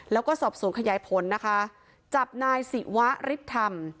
แล้วก็สอบสวนขยายผลนะคะจับนายศิวะริบธรรม